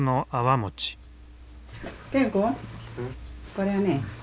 これはね